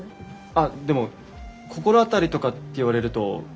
あっでも心当たりとかって言われるとない。